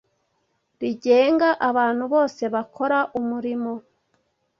rigenga abantu bose bakora umurimo